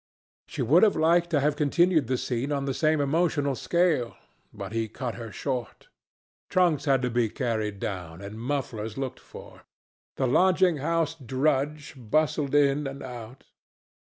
She would have liked to have continued the scene on the same emotional scale, but he cut her short. Trunks had to be carried down and mufflers looked for. The lodging house drudge bustled in and out.